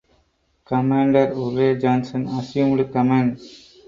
Commander Urry Johnson assumed command.